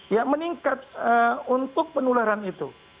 ya meningkat untuk penularan itu